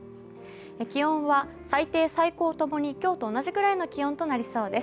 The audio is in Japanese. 気温は最低・最高ともに今日と同じくらいの気温となりそうです。